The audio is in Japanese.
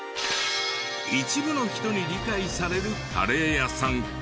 一部の人に理解されるカレー屋さんか？